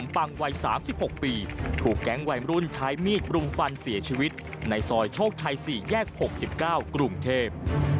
ปังวัย๓๖ปีถูกแก๊งวัยรุ่นใช้มีดปรุงฟันเสียชีวิตในซอยโชคชัย๔แยก๖๙กรุงเทพ